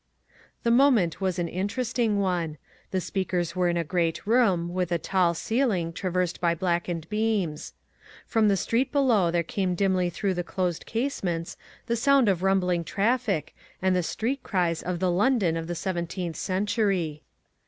The moment was an interesting one. The speakers were in a great room with a tall ceiling traversed by blackened beams. From the street below there came dimly through the closed casements the sound of rumbling traffic and the street cries of the London of the seventeenth century.